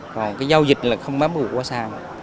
còn cái giao dịch là không bắt buộc qua sản